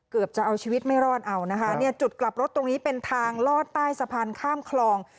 เกือบจะเอาชีวิตไม่รอดเอานะคะเนี่ยจุดกลับรถตรงนี้เป็นทางลอดใต้สะพานข้ามคลอง